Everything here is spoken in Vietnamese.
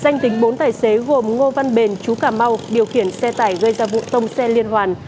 danh tính bốn tài xế gồm ngô văn bền chú cà mau điều khiển xe tải gây ra vụ tông xe liên hoàn